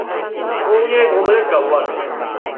講野講到一嚿雲